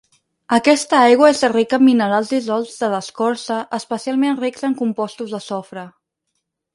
Aquesta aigua és rica en minerals dissolts de l'escorça especialment rics en compostos de sofre.